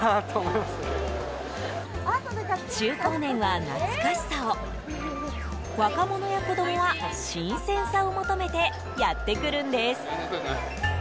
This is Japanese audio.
中高年は懐かしさを若者や子供は新鮮さを求めてやって来るんです。